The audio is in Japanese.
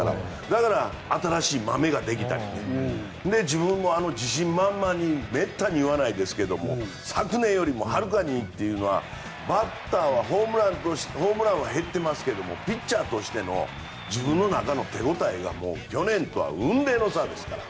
だから、新しいまめができたり自分も自信満々にめったに言わないですけど昨年よりもはるかにいいというのはバッターとしてはホームランは減ってますけどもピッチャーとしての自分の中の手応えが去年とは雲泥の差ですから。